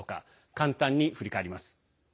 簡単に振り返ります。